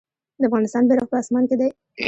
د افغانستان بیرغ په اسمان کې دی